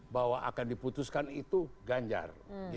bahwa akan diputuskan itu ganjar